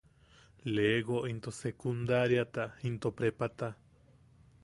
Lego into secundariata into prepata.